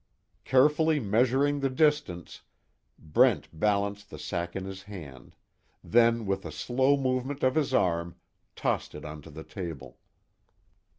Carefully measuring the distance, Brent balanced the sack in his hand, then with a slow movement of his arm, tossed it onto the table.